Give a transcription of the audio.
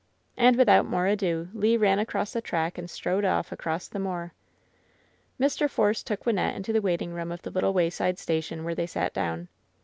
'' And without more ado Le ran across the tTsuck and strode off across the moor. Mr. Force took Wynnette into the waiting room of the little wayside station, where they sat down.